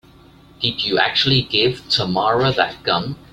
Did you actually give Tamara that gun?